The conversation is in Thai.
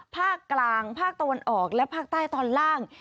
ภาคกลางภาคตะวันออกและภาคใต้ตอนล่าง